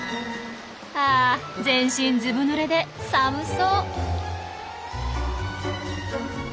あ全身ずぶぬれで寒そう。